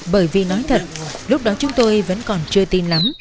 bởi vì nói thật lúc đó chúng tôi vẫn còn chưa tin lắm